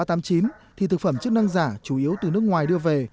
thì thực phẩm chức năng giả chủ yếu từ nước ngoài đưa về